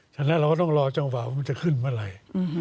ฉะนั้นเราก็ต้องรอจังหวะว่ามันจะขึ้นเมื่อไหร่